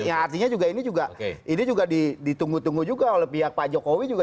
artinya juga ini juga ditunggu tunggu juga oleh pihak pak jokowi juga